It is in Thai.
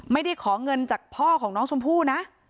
ไม่ได้ขอเงินจากพ่อของน้องชมพู่นะ